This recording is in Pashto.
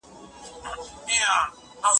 د نفاق لویه بلا وه اوس هم شته